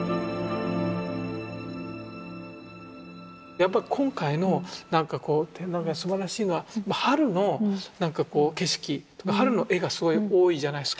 やっぱり今回のなんかこう展覧会すばらしいのは春のなんかこう景色春の絵がすごい多いじゃないですか。